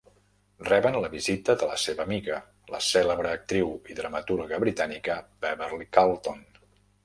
Reben la visita de la seva amiga, la cèlebre actriu i dramaturga britànica Beverly Carlton.